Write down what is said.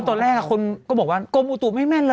ตอนแรกคนก็บอกว่ากรมอุตุไม่แม่นเลย